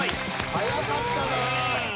早かったなあ。